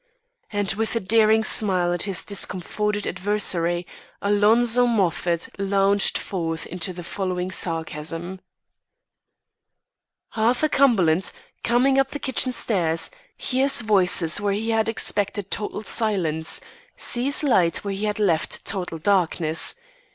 And with a daring smile at his discomforted adversary, Alonzo Moffat launched forth into the following sarcasm: "Arthur Cumberland, coming up the kitchen stairs, hears voices where he had expected total silence sees light where he had left total darkness.